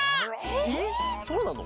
えっそうなの？